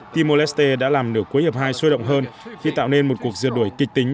timor leste đã làm nửa cuối hiệp hai xôi động hơn khi tạo nên một cuộc diệt đổi kịch tính